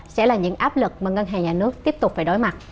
sẽ là những áp lực mà ngân hàng nhà nước tiếp tục phải đối mặt